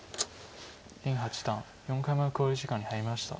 林八段４回目の考慮時間に入りました。